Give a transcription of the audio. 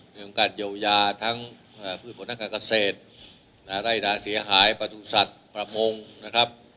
เรื่องของการเยียวยาทั้งพืชผลทางการเกษตรไร่นาเสียหายประตูสัตว์ประมงนะครับ